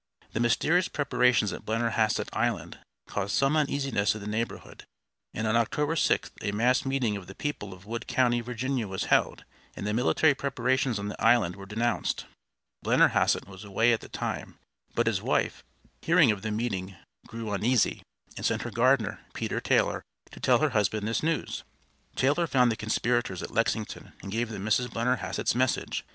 The mysterious preparations at Blennerhassett Island caused some uneasiness in the neighborhood, and on October 6th a mass meeting of the people of Wood County, Virginia, was held, and the military preparations on the island were denounced. Blennerhassett was away at the time, but his wife, hearing of the meeting, grew uneasy, and sent her gardener, Peter Taylor, to tell her husband this news. Taylor found the conspirators at Lexington, and gave them Mrs. Blennerhassett's message.